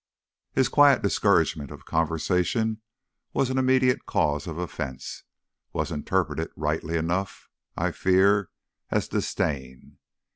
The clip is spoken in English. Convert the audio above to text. His quiet discouragement of conversation was an immediate cause of offence was interpreted, rightly enough I fear, as disdain.